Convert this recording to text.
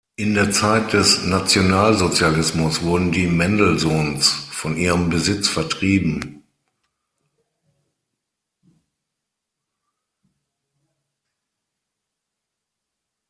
In der Zeit des Nationalsozialismus wurden die Mendelssohns von ihrem Besitz vertrieben.